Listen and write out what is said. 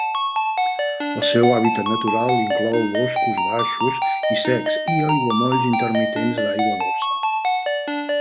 El seu hàbitat natural inclou boscos baixos i secs i aiguamolls intermitents d'aigua dolça.